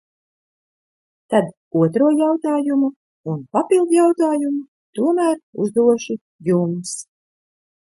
Tad otro jautājumu un papildjautājumu tomēr uzdošu jums.